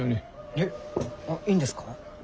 えっいいんですか？